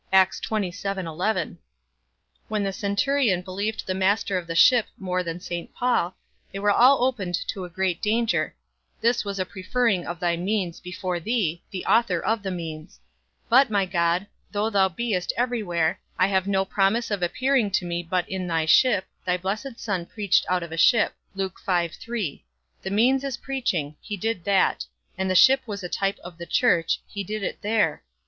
When the centurion believed the master of the ship more than St. Paul, they were all opened to a great danger; this was a preferring of thy means before thee, the author of the means: but, my God, though thou beest every where: I have no promise of appearing to me but in thy ship, thy blessed Son preached out of a ship: the means is preaching, he did that; and the ship was a type of the church, he did it there.